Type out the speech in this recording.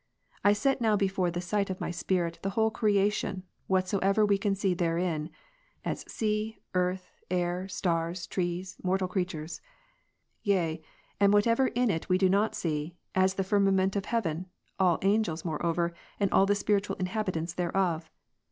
I set now before the sight of my spirit, the whole creation, whatsoever we can see therein, (as sea, earth, air, stars, trees, mortal creatures ;) yea, and whatever in it we do not see, as the fir mament of heaven, all angels moreover, and all the spiritual inhabitants thereof.